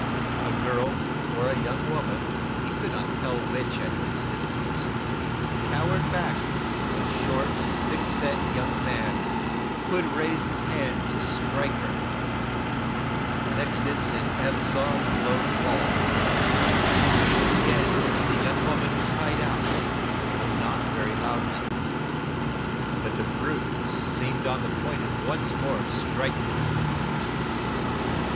A girl, or young woman, he could not tell which, at the distance, cowered back from a short, thick set young man who had raised his hand to strike her. The next instant Eph saw the blow fall. Again the young woman cried out, though not very loudly. But the brute seemed on the point of once more striking her.